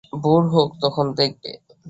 ভোর হোক, তখন দেখবে।